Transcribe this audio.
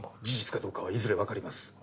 事実かどうかはいずれわかります。